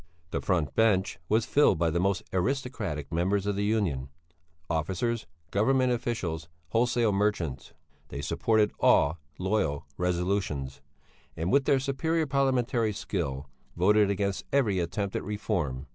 The front bench was filled by the most aristocratic members of the Union: officers, Government officials, wholesale merchants; they supported all loyal resolutions, and with their superior parliamentary skill voted against every attempt at reform.